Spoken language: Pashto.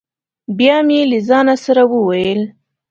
بیا مې له ځانه سره وویل: